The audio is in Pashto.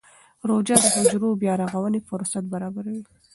روژه د حجرو بیا رغونې فرصت برابروي.